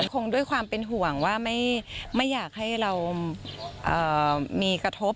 คงด้วยความเป็นห่วงว่าไม่อยากให้เรามีกระทบ